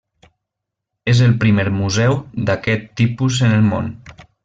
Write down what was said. És el primer museu d'aquest tipus en el món.